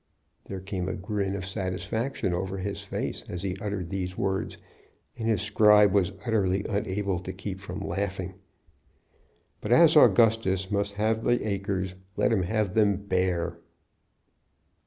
There came a grin of satisfaction over his face as he uttered these words, and his scribe was utterly unable to keep from laughing. "But as Augustus must have the acres, let him have them bare."